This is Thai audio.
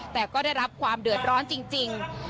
แต่ก็ได้รับความเดือดร้อนจริง